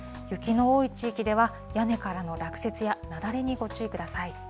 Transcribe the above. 雪の多い地域では、屋根からの落雪や雪崩にご注意ください。